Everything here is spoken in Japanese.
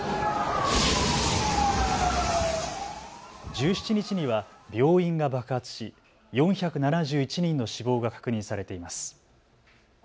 １７日には病院が爆発し４７１人の死亡が確認されています。